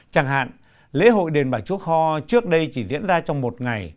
chẳng hạn lễ hội đền bà chúa kho trước đây chỉ diễn ra trong một ngày